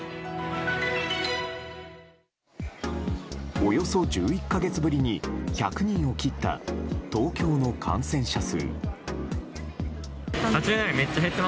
およそ１１か月ぶりに１００人を切った東京の感染者数。